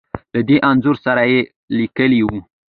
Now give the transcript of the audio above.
له دې انځور سره يې ليکلې وو .